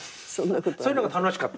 そういうのが楽しかった？